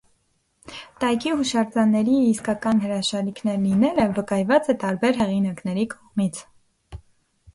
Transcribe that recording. Տայքի հուշարձանների իսկական հրաշալիքներ լինելը վկայված է տարբեր հեղինակների կողմից։